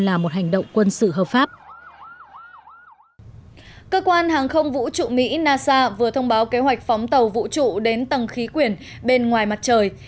cơ quan hàng không vũ trụ mỹ nasa vừa thông báo kế hoạch phóng tàu vũ trụ đến tầng khí quyển bên ngoài mặt trời